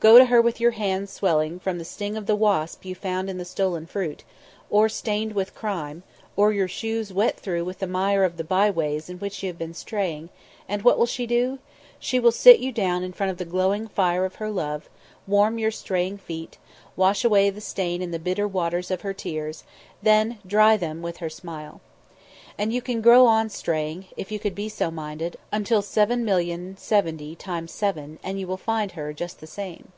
Go to her with your hands swelling from the sting of the wasp you found in the stolen fruit, or stained with crime; or your shoes wet through with the mire of the by ways in which you have been straying, and what will she do? She will sit you down in front of the glowing fire of her love, warm your straying feet, wash away the stain in the bitter waters of her tears, and then dry them with her smile. And you can go on straying if you could be so minded until seven million seventy times seven, and you will find her just the same.